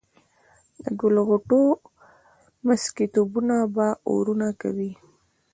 د ګل غوټو مسكيتوبونه به اورونه کوي